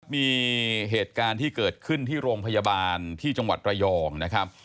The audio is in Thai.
มีเหตุการณ์ที่เกิดขึ้นที่โรงพยาบาลที่จังหวัดระยองนะครับ